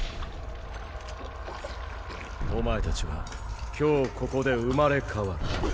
お前たちは今日ここで生まれ変わる。